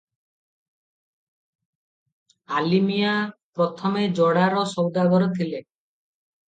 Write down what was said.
ଆଲିମିଆଁ ପ୍ରଥମେ ଯୋଡ଼ାର ସୌଦାଗର ଥିଲେ ।